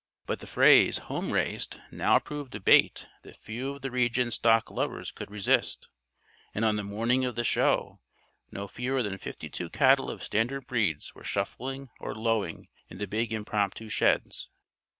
But the phrase "home raised" now proved a bait that few of the region's stock lovers could resist; and on the morning of the show no fewer than fifty two cattle of standard breeds were shuffling or lowing in the big impromptu sheds.